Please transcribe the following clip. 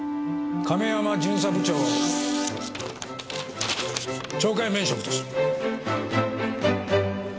亀山巡査部長を懲戒免職とする。